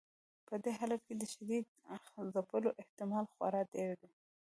په دې حالت کې د شدید ځپلو احتمال خورا ډیر دی.